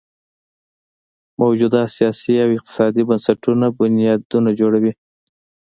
موجوده سیاسي او اقتصادي بنسټونه بنیادونه جوړوي.